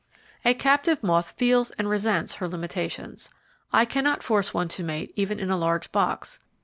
A captive moth feels and resents her limitations. I cannot force one to mate even in a large box.